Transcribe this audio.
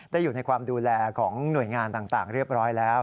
อยู่ในความดูแลของหน่วยงานต่างเรียบร้อยแล้ว